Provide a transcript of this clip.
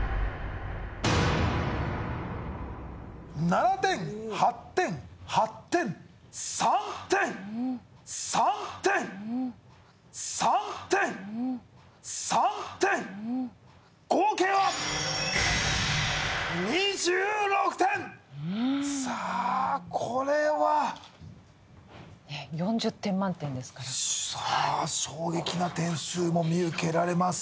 ７点８点８点３点３点３点３点合計は２６点さあこれはねえ４０点満点ですからさあ衝撃な点数も見受けられます